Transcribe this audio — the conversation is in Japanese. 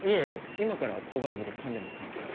今から購買部でパンでも買おうかと。